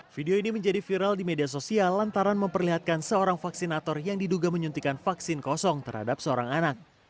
video ini menjadi viral di media sosial lantaran memperlihatkan seorang vaksinator yang diduga menyuntikan vaksin kosong terhadap seorang anak